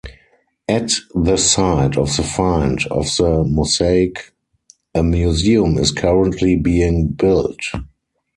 At the site of the find of the mosaic a museum is currently being built.